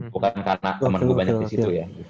bukan karena temen gue banyak di situ ya